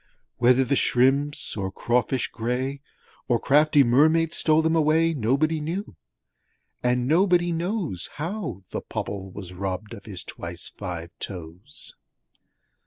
Whether the shrimps or crawfish gray, Or crafty Mermaids stole them away Nobody knew; and nobody knows How the Pobble was robbed of his twice five toes!